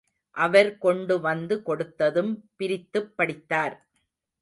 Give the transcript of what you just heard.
அவர் கொண்டு வந்து கொடுத்ததும், பிரித்துப் படித்தார்.